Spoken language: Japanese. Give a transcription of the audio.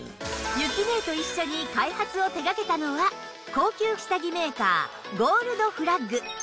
ゆきねえと一緒に開発を手掛けたのは高級下着メーカーゴールドフラッグ